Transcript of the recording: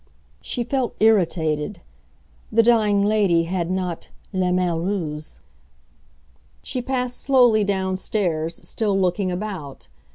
She felt irritated; the dying lady had not "la main heureuse." She passed slowly downstairs, still looking about.